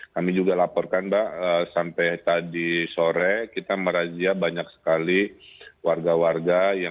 kami juga laporkan mbak sampai tadi sore kita merazia banyak sekali warga warga yang